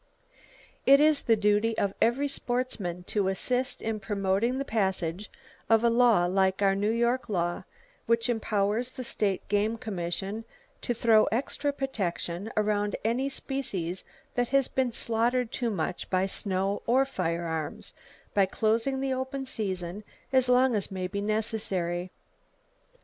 It is the duty of every sportsman to assist in promoting the passage of a law like our New York law which empowers the State Game Commission to throw extra protection around any species that has been slaughtered too much by snow or by firearms, by closing the open season as long as may be necessary.